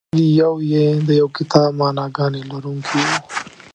هر یو یې د یو کتاب معناګانې لرونکي وو.